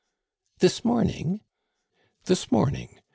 "This morning!" "This morning."